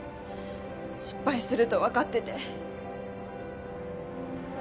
失敗するとわかってて。